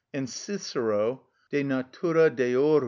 _) And Cicero (_De Nat. Deor.